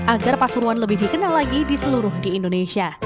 agar pasuruan lebih dikenal lagi di seluruh di indonesia